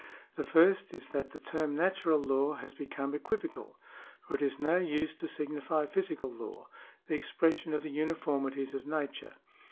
The first is that the term natural law has become equivocal ; for it is now used to signify physical law — the expression of the uniformities of nature.